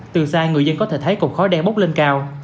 từ xa người dân có thể thấy cột khói đen bốc lên cao